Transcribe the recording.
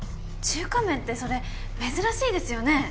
中華麺ってそれ珍しいですよね？